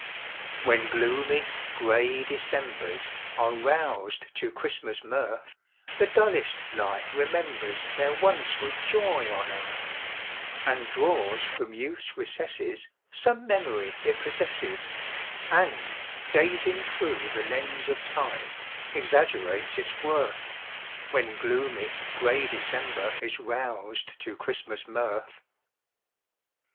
When gloomy, gray Decembers are roused to Christmas mirth, The dullest life remembers there once was joy on earth, And draws from youth's recesses Some memory it possesses, And, gazing through the lens of time, exaggerates its worth, When gloomy, gray December is roused to Christmas mirth.